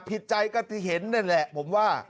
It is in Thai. ผิดใจการเห็นแน่นแหละผมว่า